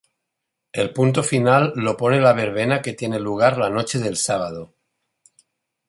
El punto final lo pone la verbena que tiene lugar la noche del sábado.